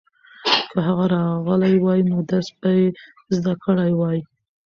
که هغه راغلی وای نو درس به یې زده کړی وای.